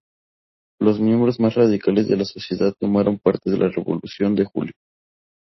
Los miembros más radicales de la sociedad tomaron parte en la revolución de julio.